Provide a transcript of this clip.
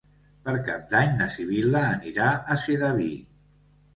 Per Cap d'Any na Sibil·la anirà a Sedaví.